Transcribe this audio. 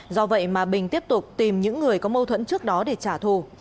do vậy mà bình tiếp tục tìm những người có mâu thuẫn trước đó để trả thù